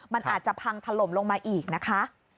มันอาจจะพังถล่มลงมาอีกนะคะ